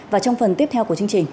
và trong phần tiếp theo của chương trình